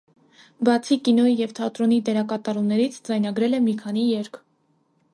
Բացի կինոյի և թատրոնի դերակատարումներից ձայնագրել է մի քանի երգ։